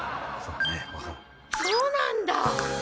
そうなんだ！